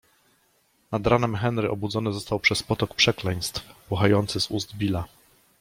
Nad ranem Henry obudzony został przez potok przekleństw, buchający z ust Billa.